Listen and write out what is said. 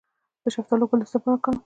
د شفتالو ګل د څه لپاره وکاروم؟